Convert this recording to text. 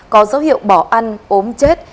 có dấu hiệu bỏ ăn ốm chết